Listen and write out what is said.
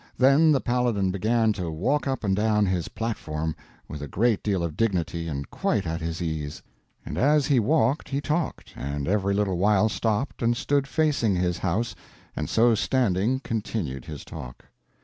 Then the Paladin began to walk up and down his platform with a great deal of dignity and quite at his ease; and as he walked he talked, and every little while stopped and stood facing his house and so standing continued his talk.